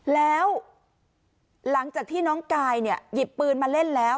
แล้วหลังจากที่น้องกายเนี่ยหยิบปืนมาเล่นแล้ว